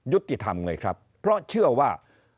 ยุทธิธรรมเลยครับเพราะเชื่อว่า